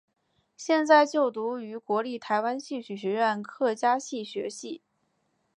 现正就读于国立台湾戏曲学院客家戏学系。